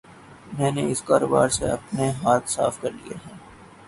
میں نے اس کاروبار سے اپنے ہاتھ صاف کر لیئے ہے۔